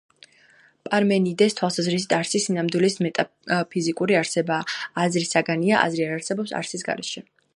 პარმენიდეს თვალსაზრისით, არსი სინამდვილის მეტაფიზიკური არსებაა, აზრის საგანია; აზრი არ არსებობს არსის გარეშე.